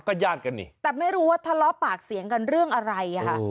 ก็ญาติกันนี่แต่ไม่รู้ว่าทะเลาะปากเสียงกันเรื่องอะไรอ่ะค่ะ